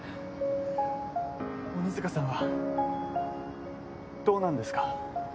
鬼塚さんは、どうなんですか？